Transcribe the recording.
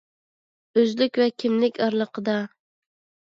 ئۆزلۈك ۋە كىملىك ئارىلىقىدا.